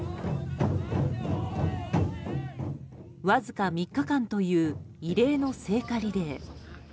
わずか３日間という異例の聖火リレー。